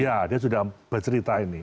iya dia sudah bercerita ini